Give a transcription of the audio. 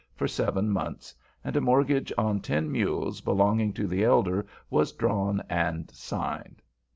for seven months, and a mortgage on ten mules belonging to the elder was drawn and signed.